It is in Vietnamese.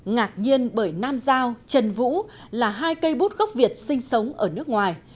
ngạc nhiên bởi nam giao trần vũ là hai cây bút gốc việt sinh sống ở nước ngoài